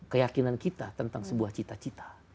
keyakinan kita tentang sebuah cita cita